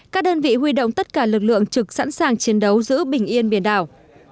các đơn vị huy động tất cả lực lượng trực sẵn sàng chiến đấu giữ bình yên biển đảo